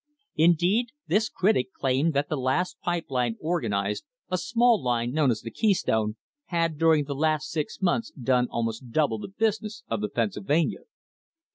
Indeed this critic claimed that the last pipe line organ ised, a small line known as the Keystone, had during the last six months done almost double the business of the Pennsyl vania.